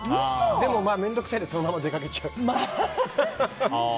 でも、面倒くさいのでそのまま出かけちゃう。